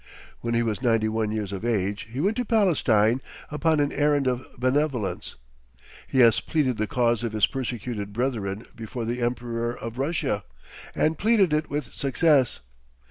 When he was ninety one years of age he went to Palestine upon an errand of benevolence. He has pleaded the cause of his persecuted brethren before the Emperor of Russia, and pleaded it with success.